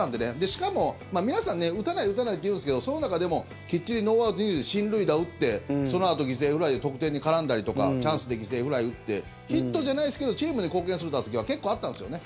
しかも、皆さん打たない打たないって言うんですけどその中でもきっちりノーアウト２塁で進塁打打ってそのあと犠牲フライで得点に絡んだりとかチャンスで犠牲フライ打ってヒットじゃないですけどチームに貢献する打席は結構あったんですよね。